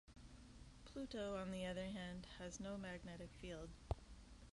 Pluto, on the other hand, has no magnetic field.